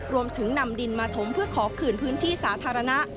รวมถึงนำดินมาถมเพื่อขอคืนพื้นที่สาธารณะ